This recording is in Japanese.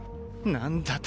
何だと？